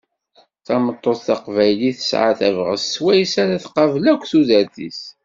Tameṭṭut taqbaylit, tesɛa tabɣest s wayes ara tqabel akk tudert-is.